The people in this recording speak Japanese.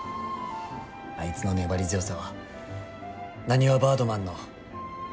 あいつの粘り強さはなにわバードマンの大事な武器です。